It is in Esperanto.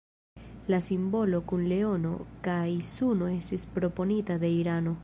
La simbolo kun leono kaj suno estis proponita de Irano.